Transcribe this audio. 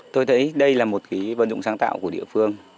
tôi thấy đây là một vận dụng sáng tạo của địa phương